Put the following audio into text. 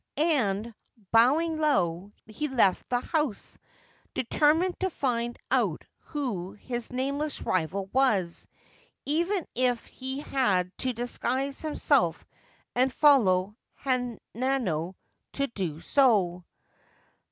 ' And, bowing low, he left the house, determined to find out who his nameless rival was, even if he had to disguise himself and follow Hanano to do so.